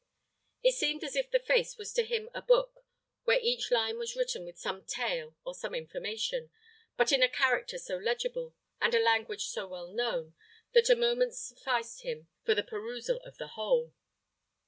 It seemed as if the face was to him a book, where each line was written with some tale or some information, but in a character so legible, and a language so well known, that a moment sufficed him for the perusal of the whole.